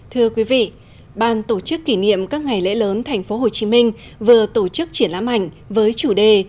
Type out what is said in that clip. thưa quý vị ban tổ chức kỷ niệm các ngày lễ lớn tp hcm vừa tổ chức triển lãm ảnh với chủ đề